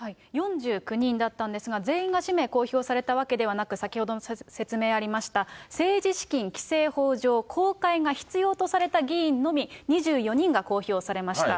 ４９人だったんですが、全員が氏名公表されたわけではなく、先ほどの説明ありました、政治資金規正法上、公開が必要とされた議員のみ、２４人が公表されました。